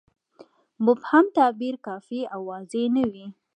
مبهم تعبیر کافي واضحه نه وي.